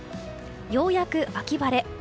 ようやく秋晴れ。